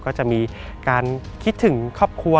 ก็จะมีการคิดถึงครอบครัว